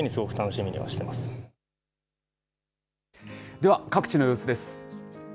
では、各地の様子です。